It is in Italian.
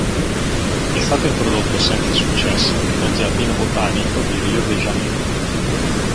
È stato introdotto senza successo nel Giardino Botanico di Rio de Janeiro.